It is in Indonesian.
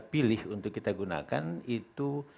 pilih untuk kita gunakan itu